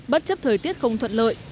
bất chấp thời tiết không thuộc